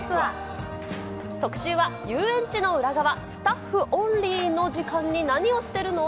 特集は遊園地の裏側、スタッフオンリーの時間に何をしてるの？